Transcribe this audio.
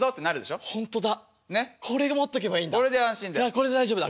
これで大丈夫だ。